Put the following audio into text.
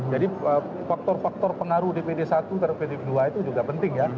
jadi faktor faktor pengaruh dpd i dan dpd ii itu juga penting ya